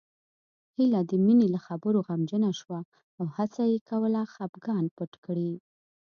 هيله د مينې له خبرو غمجنه شوه او هڅه يې کوله خپګان پټ کړي